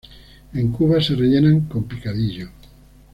En Cuba se rellenan con picadillo.